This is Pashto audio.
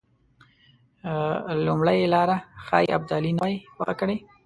لومړۍ لاره ښایي ابدالي نه وای خوښه کړې.